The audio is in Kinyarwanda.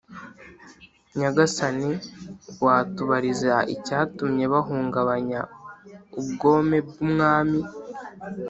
Nyagasani wabatubariza icyatumye bahubanganya ubwome bw' umwami